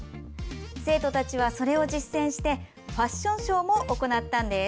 生徒たちは、それを実践してファッションショーも行ったんです。